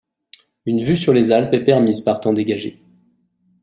Une vue sur les Alpes est permise par temps dégagé.